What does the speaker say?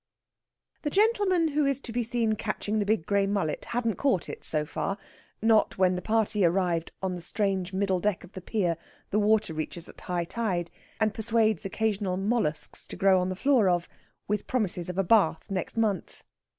The gentleman who is to be seen catching the big grey mullet hadn't caught it, so far not when the party arrived on the strange middle deck of the pier the water reaches at high tide, and persuades occasional molluscs to grow on the floor of, with promises of a bath next month.